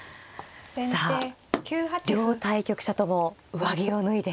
さあ両対局者とも上着を脱いで。